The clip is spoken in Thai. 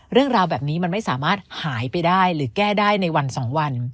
เรื่องราวแบบนี้มันไม่สามารถหายไปได้หรือแก้ได้ในวันสองวัน